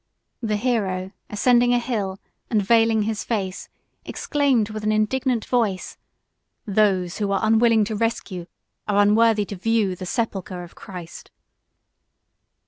The hero, ascending a hill, and veiling his face, exclaimed with an indignant voice, "Those who are unwilling to rescue, are unworthy to view, the sepulchre of Christ!"